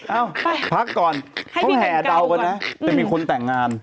เอ้าพักก่อนต้องแห่เดาก่อนนะแต่มีคนแต่งงาน